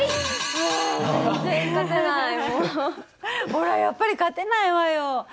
ほらやっぱり勝てないわよ。